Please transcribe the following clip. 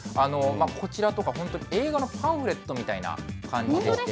こちらとか、本当、映画のパンフレットみたいな感じでして。